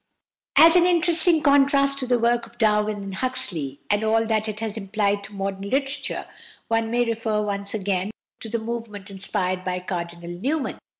As an interesting contrast to the work of Darwin and Huxley, and all that it has implied to modern literature, one may refer once again to the movement inspired by Cardinal Newman.